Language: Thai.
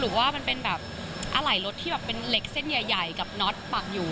หรือว่ามันเป็นแบบอะไหล่รถที่แบบเป็นเหล็กเส้นใหญ่กับน็อตปักอยู่